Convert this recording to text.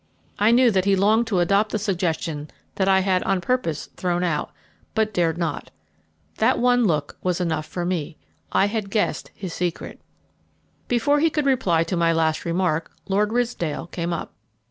I knew that he longed to adopt the suggestion that I had on purpose thrown out, but dared not. That one look was enough for me. I had guessed his secret. Before he could reply to my last remark Lord Ridsdale came up.